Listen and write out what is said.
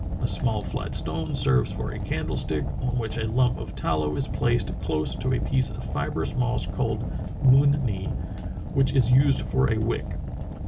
A small, flat stone serves for a candlestick, on w^hich a lump of tallow is placed close to a piece of fibrous moss called mun ney which is used for a wick.